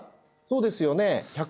そうですよね